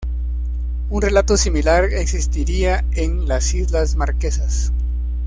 Un relato similar existiría en las islas Marquesas.